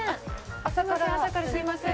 朝からすみません。